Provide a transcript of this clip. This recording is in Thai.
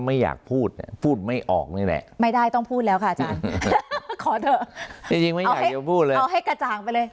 เอาให้กระจ่างไปเลยยังไงคะ